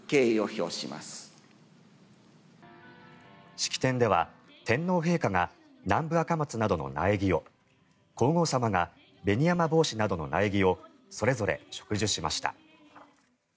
式典では天皇陛下が南部アカマツなどの苗木を皇后さまがベニヤマボウシなどの苗木をそれぞれ植樹しました。